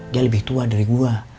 dia lebih tua dari gua